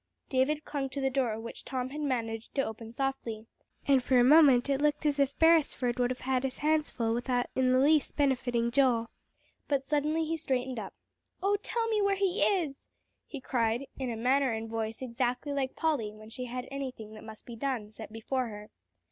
David clung to the door, which Tom had managed to open softly, and for a minute it looked as if Beresford would have his hands full without in the least benefiting Joel. But suddenly he straightened up. "Oh, tell me where he is," he cried, in a manner and voice exactly like Polly when she had anything that must be done set before her.